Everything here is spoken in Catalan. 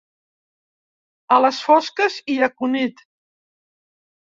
A les fosques i a Cunit.